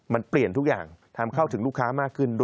มันเปลี่ยนทุกอย่างทำเข้าถึงลูกค้ามากขึ้นด้วย